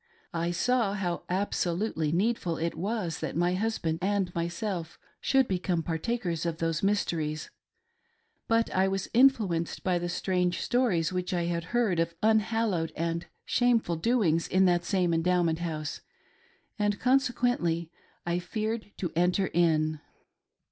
I saw how absolutely needful it was that my husband and myself should become partakers of those mys teries ; but I was influenced by the strange stories which I had heard of unhallowed and shameful doings in that same Endowment House, and consequently I feared to enter in.